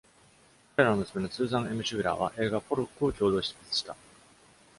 彼らの娘のスーザン・エムシュウィラーは、映画「ポロック」を共同執筆した。